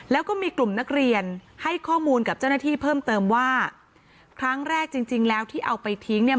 แล้วก็มีกลุ่มนักเรียนให้ข้อมูลกับเจ้าหน้าที่เพิ่มเติมว่าครั้งแรกจริงจริงแล้วที่เอาไปทิ้งเนี่ย